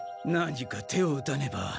何か手を打たねば。